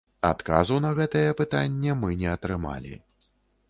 Адказу на гэтае пытанне мы не атрымалі.